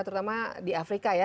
terutama di afrika ya